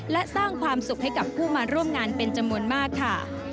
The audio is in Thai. และสร้างความสุขให้กับผู้มาร่วมงานเป็นจำนวนมากค่ะ